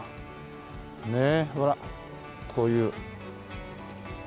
ねえほらこういう。